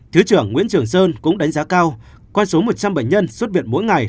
thứ trưởng nguyễn trường sơn cũng đánh giá cao qua số một trăm linh bệnh nhân xuất viện mỗi ngày